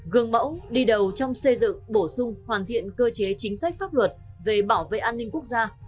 gương mẫu đi đầu trong xây dựng bổ sung hoàn thiện cơ chế chính sách pháp luật về bảo vệ an ninh quốc gia